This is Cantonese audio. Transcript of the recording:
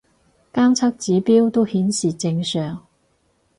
監測指標都顯示正常